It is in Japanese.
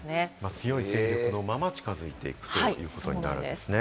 強い勢力のまま近づいていくという予想なんですね。